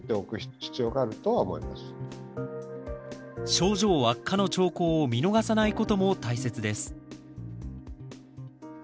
症状悪化の兆候を見逃さないことも大切です。